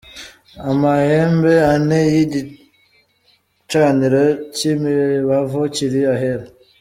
Amahembe ane y'igicaniro cy'imibavu kiri Ahera.